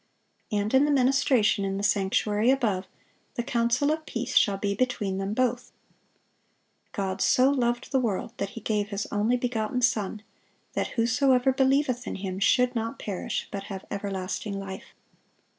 (684) And in the ministration in the sanctuary above, "the counsel of peace shall be between Them both." "God so loved the world, that He gave His only begotten Son, that whosoever believeth in Him should not perish, but have everlasting life."